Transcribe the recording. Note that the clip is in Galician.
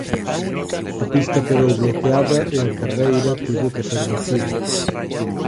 A pista quedou bloqueada e a carreira tivo que ser detida.